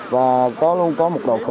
và có luôn có một độ khó khăn